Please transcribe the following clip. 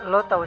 lo tau sih